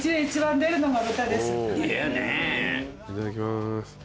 いただきます。